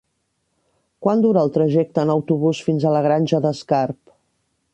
Quant dura el trajecte en autobús fins a la Granja d'Escarp?